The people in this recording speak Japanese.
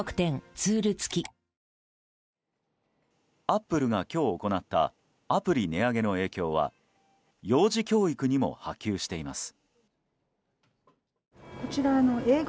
アップルが今日、行ったアプリ値上げの影響は幼児教育にも波及しています。